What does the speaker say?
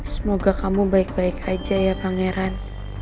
semoga kamu baik baik aja ya pangeran